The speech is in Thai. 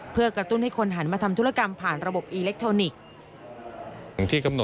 เพื่อกระตุ้นให้คนหันมาทำธุรกรรมผ่านระบบอิเล็กทรอนิกส์